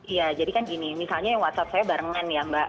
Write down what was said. iya jadi kan gini misalnya yang whatsapp saya barengan ya mbak